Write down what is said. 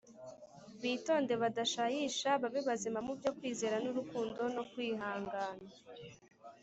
bitonde badashayisha babe bazima mu byo kwizera n’urukundo no kwihangana.